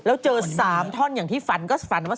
แล้วเจอ๓ท่อนอย่างที่ฝันก็ฝันว่า